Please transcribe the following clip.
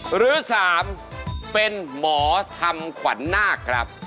หรือสามเป็นหมอทำขวันหน้ากรับ